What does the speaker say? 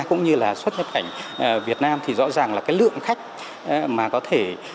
cũng như là xuất nhập cảnh việt nam thì rõ ràng là cái lượng khách